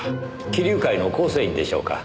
貴龍会の構成員でしょうか？